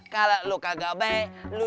kalau lo baik lo masuk surat allah